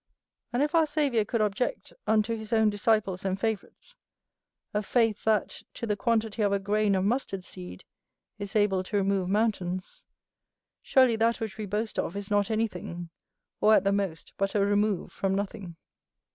And if our Saviour could object, unto his own disciples and favourites, a faith that, to the quantity of a grain of mustard seed, is able to remove mountains; surely that which we boast of is not anything, or, at the most, but a remove from nothing.